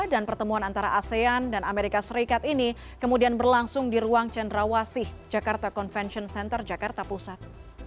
dan pertemuan antara asean dan amerika serikat ini kemudian berlangsung di ruang cendrawasih jakarta convention center jakarta pusat